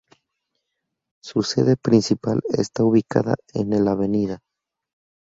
Su sede principal está ubicada en el Av.